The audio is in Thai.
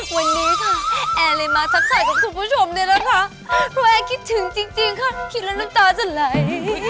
วันนี้ค่ะแอร์เลยมาซับสายกับคุณผู้ชมเนี่ยนะคะคุณแอร์คิดถึงจริงค่ะคิดแล้วน้ำตาจะไหล